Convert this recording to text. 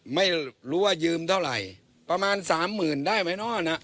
ไม่รู้ว่ายืมเท่าไหร่ประมาณ๓๐๐๐๐ได้ไหมเนอะ